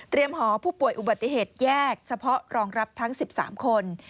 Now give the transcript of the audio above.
เตรียมหอผู้ป่วยอุบัติเหตุแยกเฉพาะรองรับทั้งสิบสามคน